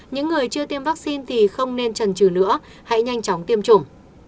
những người chưa tiêm vaccine thì không nên trần trừ nữa hãy nhanh chóng tiêm chủng